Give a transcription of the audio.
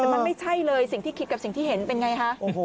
แต่มันไม่ใช่เลยสิ่งที่คิดกับสิ่งที่เห็นเป็นไงคะ